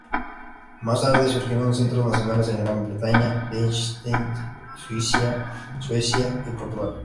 Más tarde surgieron centros nacionales en Gran Bretaña, Liechtenstein, Suiza, Suecia y Portugal.